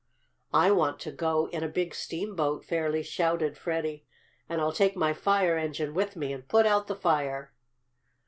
"I want to go in big steamboat!" fairly shouted Freddie. "And I'll take my fire engine with me and put out the fire!"